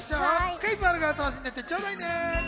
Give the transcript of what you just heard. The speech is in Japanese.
クイズもあるから楽しんでいってちょうだいね。